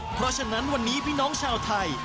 เพราะฉะนั้นวันนี้พี่น้องชาวไทย